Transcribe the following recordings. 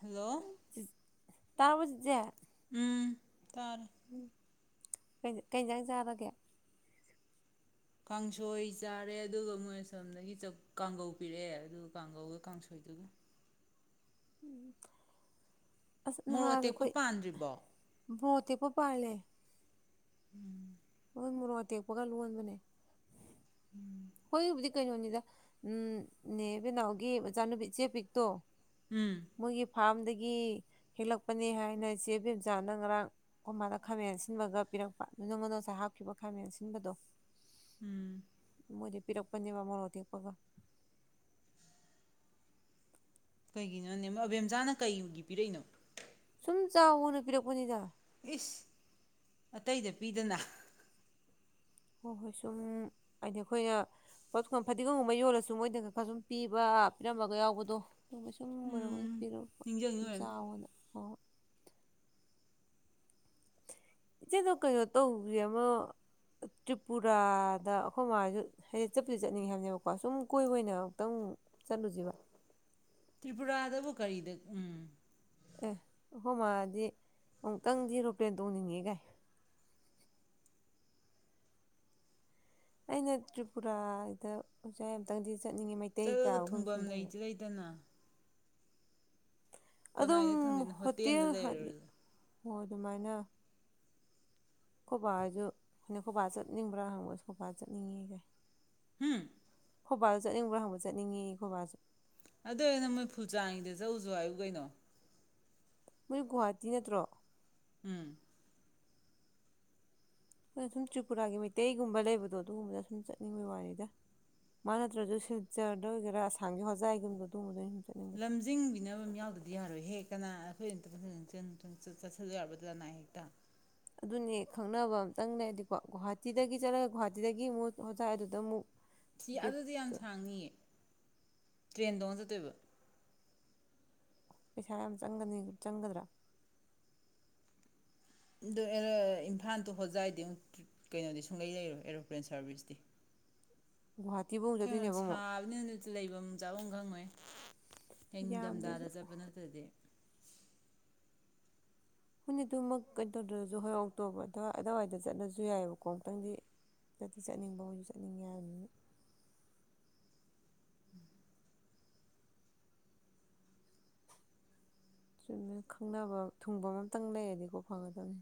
hello ꯇꯥꯕꯔꯣ ꯆꯤꯆꯦ ꯎꯝ ꯇꯥꯔꯦ ꯎꯝ ꯀꯩ ꯀꯩꯖꯥꯡ ꯆꯔꯒꯦ ꯀꯥꯡꯁꯣꯏ ꯆꯥꯔꯦ ꯑꯗꯨꯒ ꯃꯣꯏ ꯑ ꯁꯣꯝꯗꯒꯤ ꯀꯥꯡꯒꯧ ꯄꯤꯔꯛꯑꯦ ꯑꯗꯨꯒ ꯀꯥꯡꯒꯧꯒ ꯀꯥꯡꯁꯣꯏꯗꯨꯒ ꯎꯝ ꯑꯁ ꯃꯣꯔꯣꯛ ꯅꯍꯥꯗꯣ ꯑꯇꯦꯛꯄ ꯑꯩꯈꯣꯏ ꯄꯥꯟꯗ꯭ꯔꯤꯕꯣ ꯕꯣꯠ ꯇꯦꯛꯄ ꯄꯥꯂꯦ [inaudible] ꯎ ꯃꯣꯔꯣꯛ ꯑꯇꯦꯛꯄꯒ ꯂꯣꯟꯕꯅꯦ ꯍꯣꯏꯕꯨꯗꯤ ꯀꯩꯅꯣꯅꯤꯗ ꯎꯝ ꯅꯦ ꯕꯦꯅꯥꯎꯒꯤ ꯃꯆꯥꯅꯨꯄꯤ ꯏꯆꯦ ꯄꯤꯛꯇꯣ ꯎꯝ ꯃꯣꯏꯒꯤ ꯐꯥꯝꯗꯒꯤ ꯒꯤ ꯍꯦꯜꯂꯛꯄꯅꯦ ꯍꯥꯏꯅ ꯏꯆꯦ ꯕꯦꯝꯆꯥꯅ ꯉꯔꯥꯡ ꯀꯣꯃꯥꯗ ꯈꯥꯃꯦꯟ ꯁꯤꯟꯕꯒ ꯄꯤꯔꯛꯄ ꯅꯪꯉꯣꯟꯗ ꯅꯉꯁꯥꯏ ꯍꯥꯞꯈꯤꯕ ꯈꯥꯃꯦꯟ ꯑꯁꯤꯟꯕꯗꯣ ꯎꯝ ꯃꯣꯏꯗꯩ ꯄꯤꯔꯛꯄꯅꯦ ꯕ ꯃꯣꯔꯣꯛ ꯑꯇꯦꯛꯄꯒ ꯀꯩꯒꯤꯅꯣꯅꯦ ꯑꯕꯦꯝꯆꯥꯅ ꯀꯩꯒꯤ ꯄꯤꯔꯛꯏꯅꯣ ꯁꯨꯝ ꯆꯥꯋꯣꯅ ꯄꯤꯔꯛꯄꯅꯤꯗ ꯏꯁ ꯑꯇꯩꯗ ꯄꯤꯗꯅ ꯍꯣꯏ ꯍꯣꯏ ꯁꯨꯝ ꯍꯥꯏꯗꯤ ꯑꯩꯈꯣꯏꯅ ꯄꯣꯠ ꯐꯗꯤꯒꯣꯝꯒꯨꯝꯕ ꯌꯣꯜꯂꯁꯨ ꯃꯣꯏꯗ ꯈꯔ ꯁꯨꯝ ꯄꯤꯕ ꯄꯤꯔꯝꯕꯒ ꯌꯥꯎꯕꯗꯣ ꯑꯗꯨꯒꯨꯝ ꯁꯨꯝ ꯑꯣꯏꯔꯝꯒꯅꯤ ꯎꯝ ꯄꯤꯔꯛꯄ ꯅꯤꯡꯖꯪꯉꯤ ꯁꯨꯝ ꯑꯣꯏꯔꯝꯅꯤ ꯆꯥꯎꯑꯣꯅ ꯏꯆꯦꯗꯣ ꯀꯩꯅꯣ ꯇꯧꯕꯤ ꯑꯃ ꯇ꯭ꯔꯤꯄꯨꯔꯥꯗ ꯑꯩꯈꯣꯏ ꯃꯥꯖꯨ ꯍꯥꯏꯗꯤ ꯆꯠꯄꯗꯤ ꯆꯠꯅꯤꯡꯉꯦ ꯍꯥꯏꯕꯅꯦꯕꯀꯣ ꯁꯨꯝ ꯀꯣꯏꯕ ꯑꯣꯏꯅ ꯑꯃꯨꯛꯇꯪ ꯆꯠꯂꯨꯁꯤꯕ ꯇ꯭ꯔꯤꯄꯨꯔꯥꯗꯕꯨ ꯀꯔꯤꯗ ꯎꯝ ꯑꯦ ꯑꯈꯣꯃꯥꯗꯤ ꯑꯃꯨꯛꯇꯪꯗꯤ ꯑꯦꯔꯣꯄꯦꯟ ꯇꯣꯡꯅꯤꯡꯉꯦ ꯀꯥꯏ ꯑꯩꯅ ꯇ꯭ꯔꯤꯄꯨꯔꯥꯗ ꯑꯣꯖꯥ ꯑꯝꯇꯪꯗꯤ ꯆꯠꯂꯒ ꯊꯨꯡꯚꯝ ꯂꯩꯗꯤ ꯂꯩꯇꯅ ꯑꯗꯨꯝ ꯀꯅꯥꯏꯗ ꯊꯨꯡꯗꯣꯏꯅꯣ ꯍꯣꯇꯦꯜꯗ ꯍꯣꯇꯦꯜ ꯍꯥꯏꯗꯤ ꯂꯩꯔꯨꯔ ꯍꯣ ꯑꯗꯨꯃꯥꯏꯅ ꯑꯩꯈꯣꯏꯕꯍꯣꯏꯖꯨ ꯑꯩꯅ ꯑꯩꯈꯣꯏꯕ ꯆꯠꯅꯤꯡꯕ꯭ꯔꯥ ꯍꯪꯕꯁꯨ ꯈꯣꯏꯕꯕꯥ ꯆꯠꯅꯤꯡꯉꯦ ꯀꯥꯏ ꯍꯝ ꯈꯣꯕꯥꯁꯨ ꯆꯠꯅꯤꯡꯕ꯭ꯔꯥ ꯍꯪꯕꯔꯥ ꯆꯠꯅꯤꯡꯉꯤꯌꯦ ꯈꯣꯕꯥꯁꯨ ꯑꯗꯨꯑꯣꯏꯅ ꯃꯣꯏ ꯐꯨꯜꯆꯥꯡꯉꯤꯗ ꯆꯥꯎꯆꯣ ꯍꯥꯏꯌꯨ ꯀꯩꯅꯣ ꯃꯣꯏ ꯒꯨꯍꯥꯇꯤ ꯅꯠꯇ꯭ꯔꯣ ꯎꯝ ꯑꯩꯈꯣꯏꯅ ꯁꯨꯝ ꯇ꯭ꯔꯤꯄꯨꯔꯥꯒꯤ ꯃꯩꯇꯩꯒꯨꯝꯕ ꯂꯩꯕꯗꯣ ꯑꯗꯨꯒꯨꯝꯕꯗ ꯁꯨꯝ ꯆꯠꯅꯤꯡꯕ ꯋꯥꯅꯤꯗ ꯃꯥ ꯅꯠꯇ꯭ꯔꯁꯨ ꯁꯤꯜꯆꯔꯗ ꯑꯣꯏꯒꯦꯔꯥ ꯑꯁꯥꯝꯒꯤ ꯍꯣꯖꯥꯏꯒꯨꯝꯕ ꯑꯗꯨꯒꯨꯝꯕꯗ ꯑꯩꯈꯣꯏꯅꯟꯇ ꯐꯖ ꯆꯠꯊꯗ ꯌꯥꯔꯕꯗꯨꯥꯅꯥ ꯍꯦꯛꯇ ꯑꯗꯨꯅꯦ ꯈꯪꯅꯕ ꯑꯇꯪ ꯂꯩ ꯍꯥꯏꯗꯤꯀꯣ ꯒꯣꯍꯥꯇꯤꯗꯒꯤ ꯆꯠꯂꯒ ꯒꯨꯣꯍꯥꯇꯤꯗꯒꯤ ꯑꯃꯨꯛ ꯍꯣꯖꯥꯏ ꯑꯗꯨꯗ ꯑꯃꯨꯛ ꯐꯤ ꯑꯗꯨꯗꯤ ꯌꯥꯝ ꯒꯦꯞꯇ ꯁꯥꯡꯅꯤꯌꯦ ꯇ꯭ꯔꯦꯟ ꯇꯣꯡꯉꯥ ꯆꯠꯇꯣꯏꯕ ꯄꯩꯁꯥ ꯌꯥꯝ ꯆꯪꯒꯅꯤ ꯆꯪꯒꯗ꯭ꯔꯥ ꯑꯗꯨ ꯏꯝꯐꯥꯜꯗꯣ ꯍꯣꯖꯥꯏꯗꯤ ꯑꯃꯨ ꯀꯩꯅꯣꯗꯤ ꯁꯨꯡꯂꯩ ꯂꯩꯔꯣ ꯑꯦꯔꯣꯄ꯭ꯂꯦꯟ ꯁꯥꯔꯚꯤꯁꯇꯤ ꯒꯨꯍꯥꯇꯤꯕꯨ ꯑꯃꯨꯛ ꯑꯩꯈꯣꯏ ꯝ ꯆꯠꯇꯣꯏꯅꯦꯕ ꯑꯃꯨꯛ ꯁꯥꯕꯅꯤꯅ ꯑꯗꯨ ꯂꯩꯐꯝ ꯆꯥꯐꯝ ꯈꯪꯉꯣꯏ ꯌꯥꯝꯗ꯭ꯔꯁꯨ ꯅꯤꯡꯊꯝꯊꯥꯗ ꯆꯠꯄ ꯅꯠꯇꯗꯤ ꯍꯣꯏꯅꯦ ꯑꯗꯨꯃꯛ ꯀꯩ ꯇꯧꯗ꯭ꯔꯁꯨ ꯍꯣꯏ ꯑꯣꯛꯇꯣꯕꯥꯔ ꯑꯗꯨꯏ ꯑ ꯑꯗꯨꯋꯥꯏꯗ ꯆꯠꯅꯁꯨ ꯌꯥꯏꯑꯕꯀꯣ ꯑꯃꯨꯛꯇꯪꯗꯤ ꯆꯠꯇ ꯆꯠꯅꯤꯡꯕ ꯍꯣꯏꯁꯨ ꯆꯠꯅꯤꯡꯉ ꯌꯥꯕꯅꯤꯅ ꯁꯨꯝꯅ ꯈꯪꯅꯕ ꯊꯨꯡꯕ ꯑꯝꯇꯪ ꯂꯩꯔꯗꯤꯀꯣ ꯐꯒꯗꯕꯅꯤ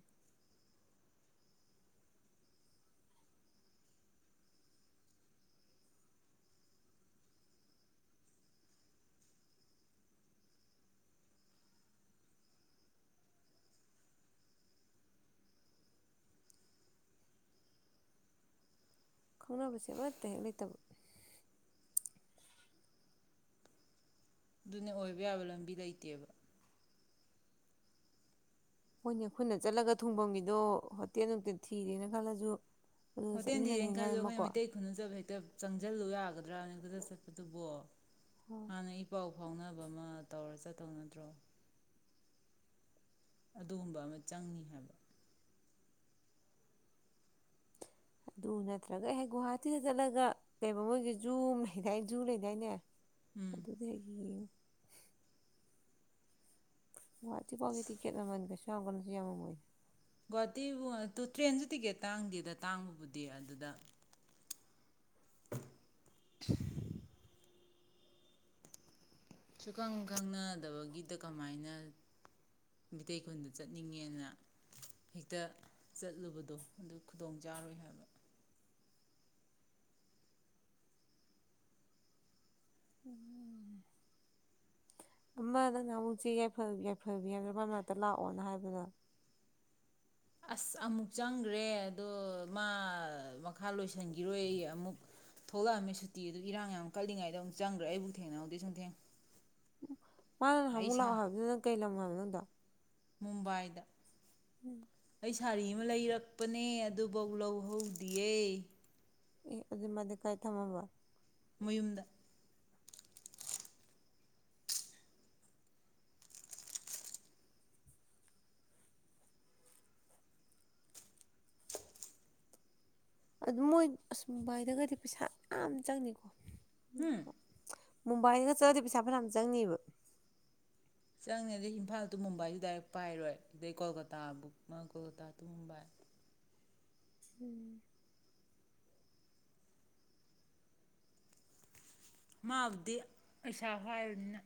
ꯈꯪꯅꯕꯁꯦ ꯑꯃꯠꯇ ꯍꯦꯛ ꯂꯩꯇꯕ ꯑꯗꯨꯅꯦ ꯑꯣꯏꯕ ꯌꯥꯕ ꯂꯝꯕꯤ ꯂꯩꯇꯦꯕ ꯍꯣꯏꯅꯦ ꯑꯩꯈꯣꯏꯅ ꯆꯠꯂꯒ ꯊꯨꯡꯐꯝꯒꯤꯗꯣ ꯍꯣꯇꯦꯜ ꯅꯨꯡꯇ ꯊꯤꯔꯦꯅ ꯈꯜꯂꯁꯨ ꯑꯗꯨꯗ ꯍꯣꯇꯦꯜ ꯊꯤꯔꯦꯟ ꯆꯠꯃꯤꯟꯅꯅꯤꯡꯉꯥꯏ ꯈꯜꯂꯦ ꯑꯃꯀꯣ ꯑꯩꯈꯣꯏꯅ ꯃꯩꯇꯩ ꯈꯨꯅꯨꯖꯕ ꯍꯦꯛꯇ ꯆꯪꯁꯤꯜꯂꯨ ꯌꯥꯒꯗ꯭ꯔꯥ ꯗ꯭ꯔꯥꯅꯒꯗ ꯆꯠꯄꯗꯨꯕꯣ ꯍꯥꯟꯅ ꯏ ꯄꯥꯎ ꯐꯥꯎꯅꯕ ꯑꯃ ꯇꯧꯔ ꯆꯠ ꯇꯧꯅꯗ꯭ꯔꯣ ꯑꯗꯨꯒꯨꯝꯕ ꯑꯃ ꯆꯪꯏ ꯍꯥꯏꯕ ꯑꯗꯨ ꯅꯠꯇ꯭ꯔꯒ ꯑꯩꯍꯦꯛ ꯒꯨꯍꯥꯇꯤꯗ ꯆꯠꯂꯒ ꯀꯩ ꯃꯣꯏꯒꯤ ꯖꯨꯨꯝ ꯂꯩꯗꯥꯏ ꯖꯨ ꯂꯩꯗꯥꯏꯅꯦ ꯑꯗꯨꯗꯒꯤ ꯒꯨꯋꯥꯍꯥꯇꯤ ꯐꯥꯎꯕꯒꯤ ꯇꯤꯀꯦꯠ ꯃꯃꯥꯟ ꯀꯩꯏꯁꯨꯛ ꯆꯒꯟꯁꯤ ꯌꯥꯝꯉ ꯃꯣꯏ ꯒꯨꯍꯥꯇꯤꯕꯨ ꯇ꯭ꯔꯦꯟꯁꯨ ꯇꯤꯛꯀꯦꯠ ꯇꯥꯡꯗꯦꯗ ꯇꯥꯡꯕꯕꯨꯗꯤ ꯑꯗꯨꯗ ꯈꯣꯛ ꯎꯃꯃ [inaudible] ꯁꯨꯈꯪ ꯈꯪꯅꯗꯕꯒꯤꯗ ꯀꯃꯥꯏꯅ ꯃꯤꯇꯩꯩ ꯈꯨꯟꯗ ꯆꯠꯅꯤꯡꯉꯦꯅ ꯍꯦꯛꯇ ꯆꯠꯂꯨꯕꯗꯣ ꯑꯗꯨ ꯈꯨꯗꯣꯡ ꯆꯥꯔꯣꯏ ꯍꯥꯏꯕ ꯎ ꯑꯃꯗꯪꯅ ꯑꯃꯨꯛꯁꯦꯐ ꯌꯥꯏꯐꯕꯤ ꯍꯥꯏꯕ꯭ꯔ ꯃ ꯃꯔꯅꯥꯛꯇ ꯂꯥꯛꯑꯣꯅ ꯍꯥꯏꯕꯗꯣ ꯑꯁ ꯑꯃꯨꯛ ꯆꯪꯈ꯭ꯔꯦ ꯑꯗꯣ ꯃꯥ ꯃꯈꯥ ꯂꯣꯏꯁꯤꯟꯈꯤꯔꯣꯏ ꯑꯃꯨꯛ ꯊꯣꯛꯂꯛꯑꯝꯃꯦ ꯁꯨꯇꯤ ꯑꯗꯨ ꯏꯔꯥꯡ ꯌꯥꯝ ꯀꯜꯂꯤꯉꯩꯗ ꯑꯃꯨꯛ ꯆꯪꯈ꯭ꯔꯦ ꯑꯩꯕꯨ ꯊꯦꯡꯅꯍꯧꯗꯦ ꯁꯨꯝꯊꯦꯡ ꯎ ꯃꯥꯨꯛ ꯂꯥꯛꯑꯣ ꯍꯥꯏ ꯀꯩ ꯂꯝ ꯐ ꯃꯨꯝꯕꯥꯏꯗ ꯎꯝ ꯑꯩ ꯁꯥꯔꯤ ꯑꯃ ꯂꯩꯔꯛꯄꯅꯦ ꯑꯗꯨꯐꯧ ꯂꯧꯍꯧꯗꯌꯦ ꯑꯗꯨꯖꯤ ꯃ ꯀꯥꯏ ꯊꯝꯕꯕ ꯃꯌꯨꯝꯗ ꯑꯗꯨ ꯃꯣꯏ ꯑꯁꯨꯝꯕꯥꯏꯗꯒꯗꯤ ꯄꯩꯁꯥ ꯌꯥꯝ ꯆꯪꯅꯤꯀꯣ ꯏꯝꯝ ꯍꯨꯝ [inaudible] ꯃꯨꯝꯕꯥꯏꯅꯒ ꯆꯠꯂꯗꯤ ꯄꯩꯁꯥ ꯐꯅꯌꯥꯝ ꯆꯪꯅꯤꯕ ꯆꯪꯅꯤ ꯑꯗꯩ ꯏꯝꯐꯥꯜ ꯇꯨ ꯃꯨꯝꯕꯥꯏꯁꯨ ꯗꯥꯏꯔꯦꯛ ꯄꯥꯏꯔꯣꯏ ꯑꯗꯩ ꯀꯣꯜꯀꯇꯥꯕꯨꯛ ꯀꯣꯜꯀꯇꯥ ꯇꯨ ꯃꯨꯝꯕꯥꯏ ꯎꯝ ꯃꯥꯕꯨꯗꯤ ꯄꯁꯥ ꯍꯥꯏꯕꯅꯤꯅ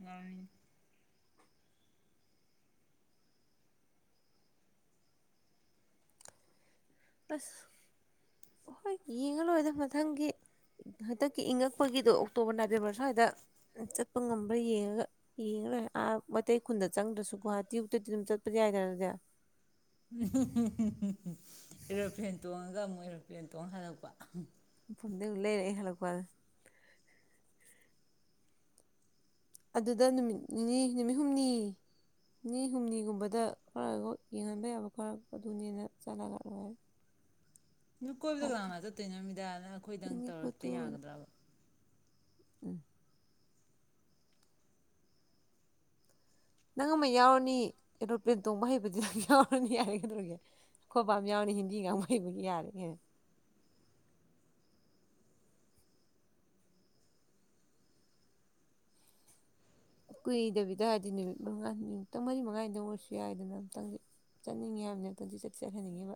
ꯉꯥꯡꯔꯤꯅꯤ ꯑꯁ ꯍꯣꯏ ꯌꯦꯡꯉ ꯂꯣꯏꯔꯦꯗ ꯃꯊꯪꯒꯤ ꯍꯟꯗꯛꯀꯤ ꯏꯪꯉꯛꯄꯒꯤꯗꯣ ꯑꯣꯛꯇꯣꯕꯔ ꯅꯕꯦꯝꯕꯔ ꯁ꯭ꯋꯥꯏꯗ ꯆꯠꯄ ꯉꯝꯕ꯭ꯔꯥ ꯌꯦꯡꯉꯒ ꯌꯦꯡꯉ ꯂꯣꯏꯔꯦ ꯑꯥ ꯃꯩꯇꯩ ꯈꯨꯟꯗ ꯆꯪꯗ꯭ꯔꯁꯨ ꯒꯨꯍꯥꯇꯤ ꯑꯨꯛꯇꯗꯤ ꯑꯗꯨꯝ ꯆꯠꯄꯗꯤ ꯌꯥꯏꯗꯅꯗꯤ ꯑꯦꯔꯣꯄ꯭ꯂꯦꯟ ꯇꯣꯡꯉꯒ ꯑꯃꯨꯛ ꯑꯦꯔꯣꯄ꯭ꯂꯦꯟ ꯇꯣꯡ ꯍꯜꯂꯛꯄ ꯃꯐꯝꯐꯝꯗ ꯂꯩꯔꯦ ꯍꯜꯂꯛꯄꯗ ꯑꯗꯨꯗ ꯅꯨꯃꯤꯠ ꯅꯤꯅꯤ ꯅꯨꯃꯤꯠ ꯍꯨꯝꯅꯤ ꯅꯤꯅꯤ ꯍꯨꯝꯅꯤꯒꯨꯝꯕꯗ ꯈꯔ ꯌꯦꯡꯍꯟꯕ ꯌꯥꯕ ꯈꯔ ꯑꯗꯨꯅꯦꯅ ꯆꯠꯂꯒ ꯂꯣꯏꯔꯦ ꯀꯣꯏꯕꯗ ꯒꯨꯍꯥꯇꯤꯅꯤ ꯀꯃꯥꯏꯅ ꯆꯠꯇꯣꯏꯅꯣ ꯅꯨꯃꯤꯗꯥꯏꯪ ꯑꯩꯈꯣꯏꯗꯪ ꯇꯧꯔꯛꯇ ꯈꯣꯠꯇꯨꯅ ꯌꯥꯒꯗ꯭ꯔꯕ ꯎꯝ ꯅꯪ ꯑꯃ ꯌꯥꯎꯔꯅꯤ ꯑꯦꯔꯣꯄ꯭ꯂꯦꯟ ꯇꯣꯡꯕ ꯍꯩꯕꯗꯤ ꯑꯗꯨꯝ ꯌꯥꯎꯔꯅꯤ ꯌꯥꯔꯦ ꯀꯩꯗꯧꯒꯦ ꯑꯩꯈꯣꯏ ꯄꯝ ꯌꯥꯎꯔꯅꯤ ꯍꯤꯟꯗꯤ ꯉꯥꯡꯕ ꯍꯩꯕꯒꯤ ꯌꯥꯔꯦꯒ ꯀꯨꯏꯗꯕꯤꯗꯔꯗꯤ ꯅꯨꯃꯤꯠ ꯃꯉꯥꯅꯤ ꯅꯨꯃꯤꯇꯪ ꯃꯔꯤ ꯃꯉꯥꯅꯤꯗ ꯑꯣꯏꯔꯁꯨ ꯌꯥꯏꯗꯅ ꯑꯃꯨꯛꯇꯪꯗꯤ ꯆꯠꯅꯤꯡꯉꯤ ꯍꯥꯏꯕꯅꯤ ꯑꯨꯛꯇꯪꯗꯤ ꯆꯠ ꯆꯠꯍꯟꯅꯤꯡꯉꯦꯕ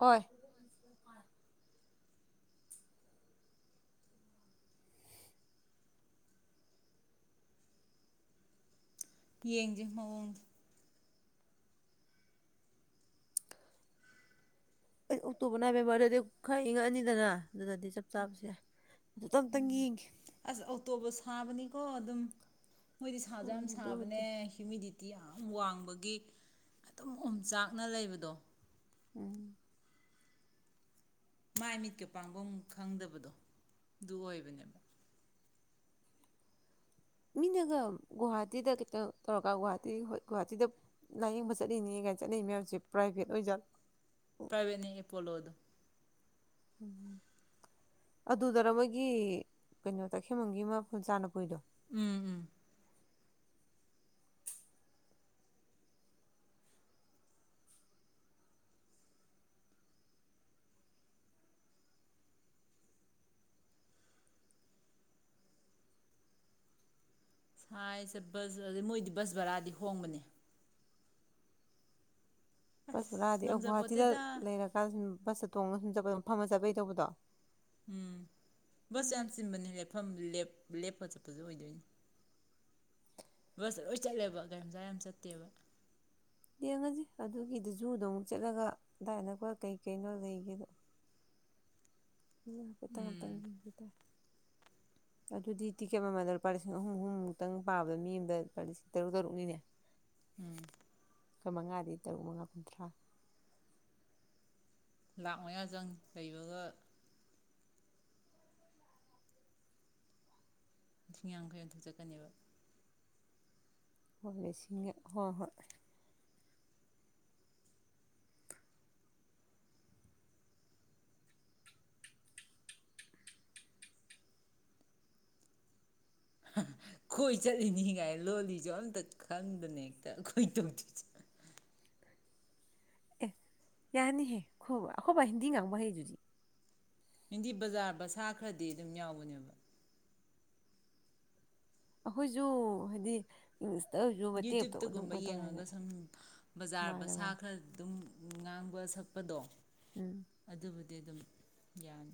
ꯍ ꯌꯦꯡꯖꯑꯣꯡ ꯑꯩ ꯑꯣꯛꯇꯣꯕꯔ ꯅꯕꯦꯝꯕꯔꯗꯗꯤ ꯈꯔ ꯏꯪꯉꯛꯑꯅꯤꯗꯅ ꯑꯗꯨꯗꯗꯤ ꯆꯞ ꯆꯥꯕꯁꯦ ꯑꯗꯨꯇ ꯑꯝꯇꯪ ꯌꯦꯡꯒꯦ ꯑꯁ ꯑꯣꯇꯣꯕꯨ ꯁꯥꯕꯅꯤꯀꯣ ꯑꯗꯨꯝ ꯃꯣꯏꯗꯤ ꯁꯥꯁꯨ ꯍꯣꯏ ꯌꯥꯝ ꯑꯗꯨꯕꯨꯗꯤ ꯁꯥꯕꯅꯦ ꯍꯤꯌꯨꯃꯤꯗꯤꯇꯤ ꯤ ꯌꯥꯝ ꯋꯥꯡꯕꯒꯤ ꯑꯗꯨꯝ ꯎꯝꯆꯥꯛꯅ ꯂꯩꯕꯗꯣ ꯎꯝ ꯃꯥꯏ ꯃꯤꯠꯀ ꯄꯥꯡꯒꯣ ꯈꯪꯗꯕꯗꯣ ꯑꯗꯨ ꯑꯣꯏꯕꯅꯦꯕ ꯃꯤꯅꯒ ꯒꯨꯍꯥꯇꯤꯗ ꯈꯤꯇꯪ ꯇꯧꯔꯀ ꯒꯨꯍꯥꯇꯤꯣꯏ ꯒꯨꯍꯥꯇꯤꯗ ꯂꯥꯏꯌꯦꯡꯕ ꯆꯠꯂꯤꯅꯦ ꯀꯥꯏꯅ ꯆꯠꯅꯩ ꯃꯌꯥꯝꯁꯦ ꯄ꯭ꯔꯥꯏꯚꯦꯠ ꯑꯣꯏꯖꯠ ꯄꯕꯅꯤ ꯑꯩꯄꯣꯂꯣ ꯑꯗꯨ ꯎꯝ ꯑꯗꯨꯗꯔ ꯃꯣꯏꯒꯤ ꯀꯩꯅꯣ ꯇꯈꯦꯡꯃꯒꯤ ꯃꯐꯝ ꯆꯥꯅ ꯄꯨꯨꯏꯗꯣ ꯎꯝ ꯎꯝ ꯁꯥꯏꯁꯦ ꯕꯁ ꯑꯗꯨꯗꯩ ꯃꯣꯏꯗꯤ ꯕꯁ ꯕꯔꯥꯗꯤ ꯍꯣꯡꯕꯅꯦ ꯕꯁ ꯑꯁ ꯔꯥꯑꯗꯤ ꯒꯨꯍꯥꯇꯤꯗ ꯉꯝꯖꯄꯣꯠꯇꯦꯗ ꯂꯩꯔꯀꯥꯟꯗꯁ ꯇꯣꯡꯉꯒ ꯁꯨꯝ ꯆꯠꯄꯗꯝ ꯐꯝꯃ ꯆꯠꯄꯩ ꯇꯧꯕꯗꯣ ꯎꯝ ꯁ ꯌꯥꯝ ꯆꯤꯟꯕꯅꯤ ꯂꯦꯞꯐꯝ ꯂꯦꯞ ꯂꯦꯞꯄ ꯆꯠꯄꯁꯨ ꯑꯣꯏꯗꯣꯏꯅꯦ ꯕꯁꯇ ꯂꯣꯏ ꯆꯠꯂꯦꯕ ꯒꯥꯌꯥꯝꯆꯥꯥ ꯌꯥꯝ ꯆꯠꯇꯦꯕ ꯌꯦꯡꯉꯁꯤ ꯑꯗꯨꯒꯤꯗꯨ ꯖꯨꯗꯣ ꯑꯃꯨꯛ ꯆꯠꯂꯒ ꯑꯗꯨꯗꯥꯏ ꯑ ꯅꯛꯀ ꯀꯩ ꯀꯩꯅꯣ ꯂꯩꯒꯦꯗꯣ ꯃ ꯄꯦ ꯇꯥꯡꯇꯥꯡꯒꯤ ꯑꯕꯤꯗ ꯑꯗꯨꯗꯤ ꯇꯤꯀꯦꯠ ꯑꯃꯃꯗ ꯂꯨꯄꯥ ꯂꯤꯁꯤꯡ ꯑꯍꯨꯝ ꯑꯍꯨꯝꯃꯨꯛꯇꯪ ꯄꯥꯕꯗ ꯃꯤ ꯑꯃꯗ ꯂꯨꯄꯥ ꯂꯤꯁꯤꯡ ꯇꯔꯨꯛ ꯇꯔꯨꯛꯅꯤꯅꯦ ꯎꯝ ꯀ ꯃꯉꯥꯗꯤ ꯇꯔꯨꯛ ꯃꯉꯥ ꯀꯨꯟꯊ꯭ꯔꯥ ꯂꯥꯛ ꯃꯌꯥ ꯆꯪ ꯂꯩꯕꯒ ꯂꯤꯁꯤꯡ ꯌꯥꯈꯩ ꯑꯣꯟꯊꯣꯛꯆꯠꯀꯅꯦꯕ ꯍꯣꯏꯁꯤꯡ ꯍꯣꯏ ꯍꯣꯏ ꯈꯣꯏ ꯆꯠꯂꯤꯅꯤ ꯉꯥꯏ ꯂꯣꯜꯂꯤꯁꯨ ꯑꯝꯇ ꯈꯪꯗꯅꯦ ꯍꯦꯛꯇ ꯈꯣꯏ ꯇꯧꯗꯣꯏꯁꯦ ꯑꯦ ꯌꯥꯅꯤꯍꯦ ꯑꯩꯣꯏ ꯑꯩꯈꯣꯏꯕ ꯍꯤꯟꯗꯤ ꯉꯥꯡꯕ ꯍꯩ ꯑꯗꯨꯗꯤ ꯍꯤꯟꯗꯤ ꯕꯖꯥꯔ ꯕ ꯁꯥ ꯈꯔꯗꯤ ꯑꯗꯨꯝ ꯌꯥꯎꯕꯅꯦꯕ ꯑꯩꯈꯣꯏꯁꯨ ꯍꯥꯏꯗꯤꯪ ꯌꯨꯇ꯭ꯌꯨꯨꯞꯇꯒꯨꯝꯕ ꯌꯦꯡꯉꯒ ꯁꯨꯝ ꯕꯖꯥꯔ ꯕ ꯃꯥꯅꯦ ꯃꯥꯅꯦ ꯁꯥ ꯈꯔ ꯑꯗꯨꯝ ꯉꯥꯡꯕ ꯁꯛꯄꯗꯣ ꯎꯝ ꯑꯗꯨꯗꯕꯨꯗꯤ ꯑꯗꯨꯝ ꯌꯥꯟ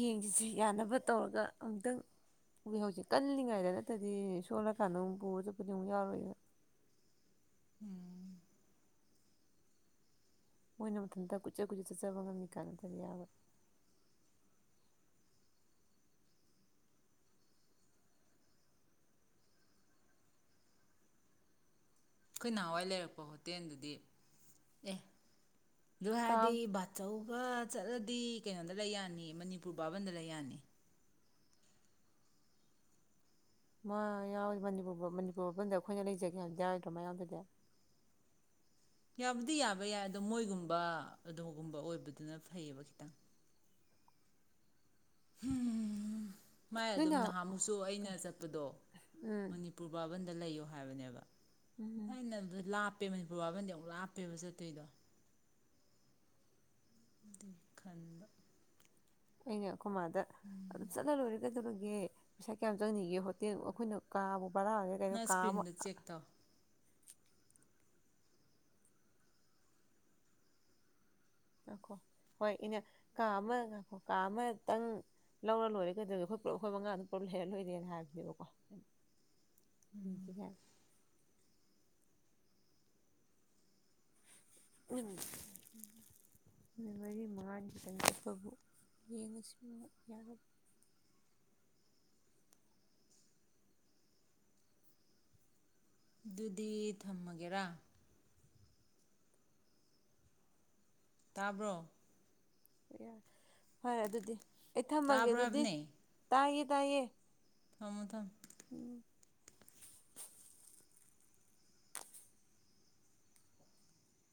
ꯌꯦꯡꯁꯤꯁꯦ ꯌꯥꯅꯕ ꯇꯧꯔꯒ ꯑꯃꯨꯛꯇꯪ ꯌꯦꯡꯍꯧꯁꯦ ꯀꯜꯂꯤꯉꯩꯗ ꯅꯠꯇꯗꯤ ꯁꯣꯜꯂꯀꯥꯟꯗ ꯑꯃꯨꯛ ꯄꯨꯔꯒ ꯆꯠꯄꯗꯣ ꯑꯃꯨꯛ ꯌꯥꯔꯣꯏꯕ ꯎꯝ ꯃꯣꯏꯅ ꯃꯊꯟꯇ ꯀꯨꯆꯠ ꯀꯨꯆꯠ ꯆꯠꯆꯕ ꯉꯝꯃꯤ ꯀꯥꯟꯅꯗꯅ ꯌꯥꯎꯏ ꯑꯈꯣꯏ ꯅꯍꯥꯟꯋꯥꯏ ꯂꯩꯔꯛꯄ ꯍꯣꯇꯦꯜꯗꯨꯗꯤ ꯑꯦ ꯀꯥꯝ ꯂꯍꯥꯗꯤ ꯕꯥꯆꯧ ꯆꯠꯂꯗꯤ ꯀꯩꯅꯣꯗ ꯂꯩ ꯌꯥꯅꯤ ꯃꯅꯤꯄꯨꯔ ꯕꯥꯕꯟꯗ ꯂꯩ ꯌꯥꯅꯤ ꯃꯥ ꯌꯥꯎꯋ ꯃꯅꯤꯄꯨꯔ ꯃꯅꯤꯄꯨꯔ ꯕꯥꯕꯟꯗ ꯑꯈꯣꯏꯅ ꯂꯩꯖꯒꯦ ꯍꯥꯏꯗꯤ ꯌꯥꯔꯣꯏꯗ꯭ꯔꯣ ꯃꯥ ꯌꯥꯎꯗ꯭ꯔꯥꯗꯤ ꯌꯥꯕꯨꯗꯤ ꯌꯥꯕ ꯌꯥꯏ ꯑꯗꯣ ꯃꯣꯏꯒꯨꯝꯕ ꯑꯗꯨꯒꯒꯨꯝꯕ ꯑꯣꯏꯕꯗꯨꯅ ꯐꯩꯌꯦꯕ ꯈꯤꯇꯪ ꯍꯝ ꯃꯥꯏ ꯑꯗꯨꯝ ꯅꯣꯏꯅ ꯅꯍꯥꯃꯨꯛꯁꯨ ꯑꯩꯅ ꯆꯠꯄꯗꯣ ꯎꯝ ꯃꯅꯤꯄꯨꯔ ꯕꯥꯕꯟꯗ ꯂꯩꯌꯣ ꯍꯥꯏꯕꯅꯦꯕ ꯍ ꯎꯝ ꯅ ꯂꯥꯞ ꯑꯄꯦ ꯃꯅꯤꯄꯨꯔ ꯕꯥꯕꯟꯗꯤ ꯑꯃꯨꯛ ꯂꯥꯞꯄꯦꯕ ꯆꯠꯇꯣꯏꯗꯣ ꯑ ꯈꯟꯕ ꯑꯩꯉ ꯑꯈꯣꯏ ꯃꯥꯗ ꯆꯂ ꯂꯣꯏꯔꯦ ꯀꯩꯗꯧꯔ ꯄꯩꯁꯥ ꯀꯌꯥꯝ ꯆꯪꯅꯤꯡꯒꯦ ꯍꯣꯇꯦꯜ ꯑꯈꯣꯏꯅ ꯀꯥꯕ ꯕꯔꯥꯅꯦ ꯀꯩꯅꯣ ꯅꯪ ꯀꯥ ꯏꯁꯀ꯭ꯔꯤꯟꯗ ꯃꯈꯛ ꯆꯦꯛ ꯇꯧ ꯑꯥ ꯀꯣ ꯍꯣꯏ ꯏꯅꯦ ꯀꯥ ꯑꯃ ꯀꯥ ꯑꯃꯇꯪ ꯂꯧꯔ ꯂꯣꯏꯔꯦꯒꯗꯧꯒꯦ ꯑꯩꯈꯣꯏ ꯄꯨꯂꯞ ꯑꯩꯈꯣꯏ ꯃꯉꯥꯃꯛ ꯄꯨꯂꯞ ꯂꯩꯔ ꯂꯣꯏꯔꯦꯅ ꯍꯥꯏꯕꯅꯦꯕꯀꯣ ꯏ ꯀ ꯅꯨꯃꯤꯠ ꯃꯔꯤ ꯃꯉꯥꯅꯤ ꯈꯤꯇꯪ ꯆꯠꯄꯕꯨ ꯌꯦꯡꯉꯁꯤ ꯌꯥꯒꯗ꯭ꯔꯥ ꯑꯗꯨꯗꯤ ꯊꯝꯃꯒꯦꯔꯥ ꯇꯥꯕ꯭ꯔꯣ [unintelligible] ꯐꯔꯦ ꯑꯗꯨꯗꯤ ꯑꯩ ꯊꯝꯃꯒꯦ ꯇꯥꯕ꯭ꯔꯣ ꯑꯗꯨꯗꯤ ꯇꯥꯏꯌꯦ ꯇꯥꯏꯌꯦ ꯊꯝꯃꯨ ꯊꯝꯃꯨ ꯎꯝ